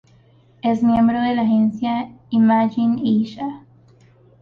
Es miembro de la agencia "Imagine Asia".